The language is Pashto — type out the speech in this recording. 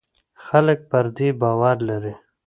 خلک پر دې باور لري.